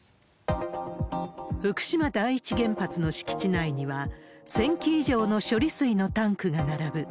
福島第一原発の敷地内には、１０００基以上の処理水のタンクが並ぶ。